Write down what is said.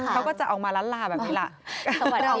เขาก็จะออกมาล้านลาแบบนี้ล่ะ